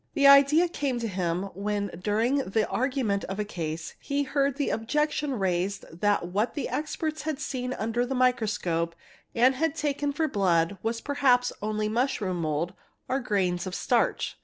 'The idea came to him when during the argument of a case he heard the objection raised that what the experts had seen' under the microscope and taken for blood was perhaps only mushroom: mould or grains of starch.